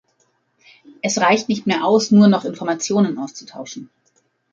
Es reicht nicht mehr aus, nur noch Informationen auszutauschen.